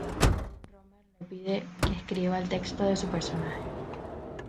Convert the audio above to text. Rohmer le pide que escriba el texto de su personaje.